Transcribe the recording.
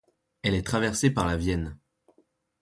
Elle est traversée par la Vienne.